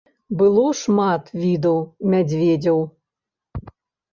Было шмат відаў мядзведзяў.